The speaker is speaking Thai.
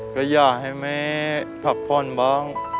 ก็อยากให้แม่ผักพลบ้าง